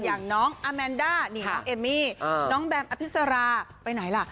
อย่างน้องอาแมนด้านี่น้องเอมมี่น้องแบมอภิษราไปไหนล่ะ